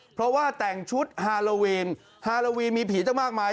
เพราะว่าแต่งชุดฮาโลวีนฮาโลวีนมีผีตั้งมากมาย